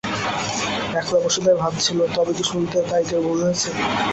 একলা বসে তাই ভাবছিল–তবে কি শুনতে তারিখের ভুল হয়েছে।